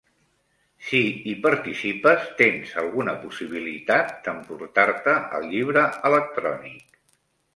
Si hi participes, tens alguna possibilitat d'emportar-te el llibre electrònic.